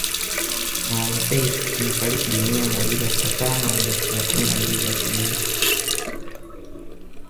Maalim Seif amefariki dunia majira ya saa tano na dakika kumi na mbili asubuhi